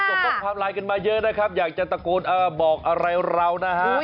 ส่งข้อความไลน์กันมาเยอะนะครับอยากจะตะโกนบอกอะไรเรานะฮะ